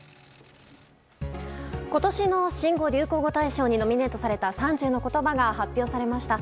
今年の新語・流行語大賞にノミネートされた３０の言葉が発表されました。